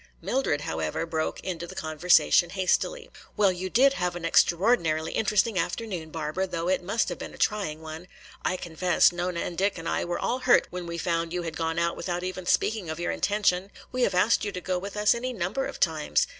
Mildred, however, broke into the conversation hastily. "Well, you did have an extraordinarily interesting afternoon, Barbara, though it must have been a trying one. I confess Nona and Dick and I were all hurt when we found you had gone out without even speaking of your intention. We have asked you to go with us any number of times.